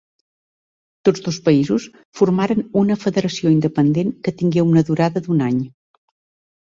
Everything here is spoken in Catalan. Tots dos països formaren una federació independent que tingué una durada d'un any.